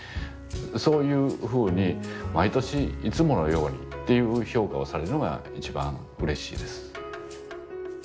そういうふうに毎年「いつものように」っていう評価をされるのが一番うれしいです。